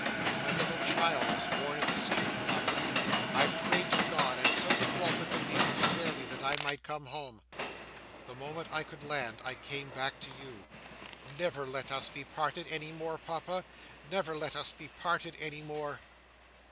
"My little child was born at sea, Papa I prayed to God (and so did Walter for me) to spare me, that I might come home. The moment I could land, I came back to you. Never let us be parted any more, Papa. Never let us be parted any more!"